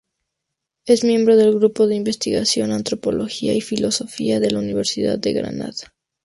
Es miembro del grupo de investigación Antropología y Filosofía de la Universidad de Granada.